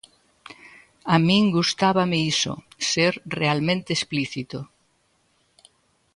A min gustábame iso, ser realmente explícito.